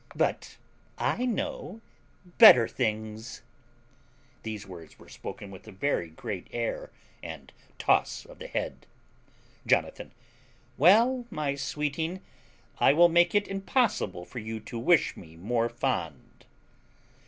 But I know better things. (These words were spoken with a very great air, and toss of the head.) Jonathan. Well, my sweeting, I will make it impossible for you to wish me more fond.